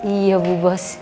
iya bu bos